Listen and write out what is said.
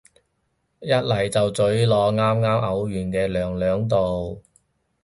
一嚟就咀落啱啱嘔完嘅娘娘度